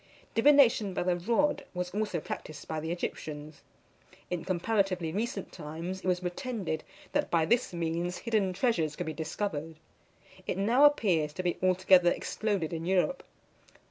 Divination by the rod was also practised by the Egyptians. In comparatively recent times, it was pretended that by this means hidden treasures could be discovered. It now appears to be altogether exploded in Europe.